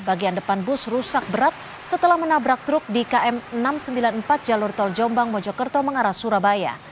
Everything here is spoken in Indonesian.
bagian depan bus rusak berat setelah menabrak truk di km enam ratus sembilan puluh empat jalur tol jombang mojokerto mengarah surabaya